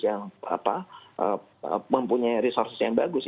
yang mempunyai resources yang bagus